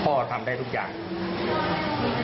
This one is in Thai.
ทำได้ทุกอย่าง